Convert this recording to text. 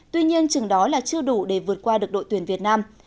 tuy nhiên chừng đó là chưa đủ để vượt qua được đội tuyển việt nam